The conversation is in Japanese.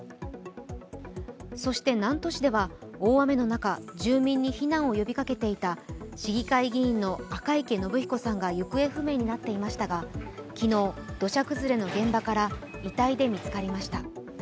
そして、南砺市では大雨の中、住民に避難を呼びかけていた市議会議員の赤池伸彦さんが行方不明になっていましたが、昨日、土砂崩れの現場から遺体で見つかりました。